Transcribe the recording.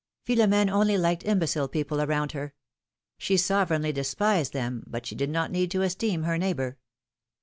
Philom^ne only liked imbecile people around her ; she sovereignly despised them, but she did not need to esteem her neighbor.